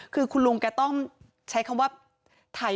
คุณลุงก็ต้องใช้คำว่า